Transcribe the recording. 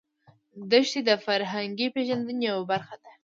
دښتې د فرهنګي پیژندنې یوه برخه ده.